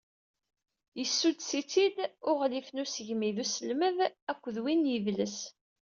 Yessuddes-itt-id Uɣlif n Usegmi d Uselmed akked win n Yidles.